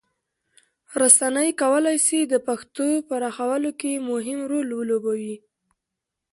رسنۍ کولی سي د پښتو پراخولو کې مهم رول ولوبوي.